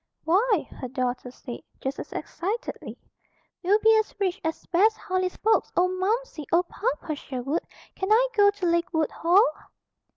"Why!" her daughter said, just as excitedly, "we'll be as rich as Bess Harley's folks. Oh, Momsey! Oh, Papa Sherwood! Can I go to Lakewood Hall?"